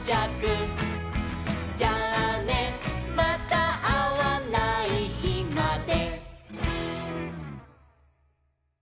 「じゃあねまたあわないひまで」